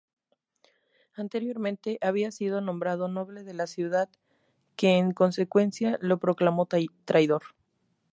Anteriormente había sido nombrado noble de la ciudad que, en consecuencia, lo proclamó traidor.